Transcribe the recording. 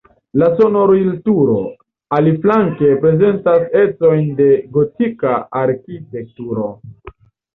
La sonorilturo, aliflanke, prezentas ecojn de gotika arkitekturo.